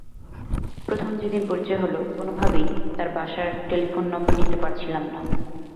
প্রথম যেদিন পরিচয় হলো, কোনোভাবেই তার বাসার টেলিফোন নম্বর নিতে পারছিলাম না।